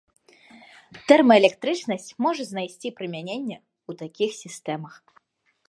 Тэрмаэлектрычнасць можа знайсці прымяненне ў такіх сістэмах.